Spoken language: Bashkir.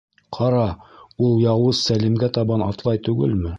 Ҡара, ул яуыз Сәлимгә табан атлай түгелме?